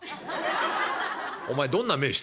お前どんな目してんだよ。